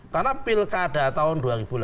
karena pilkada tahun dua ribu delapan belas